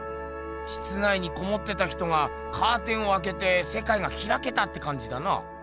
室内にこもってた人がカーテンをあけてせかいがひらけたってかんじだな。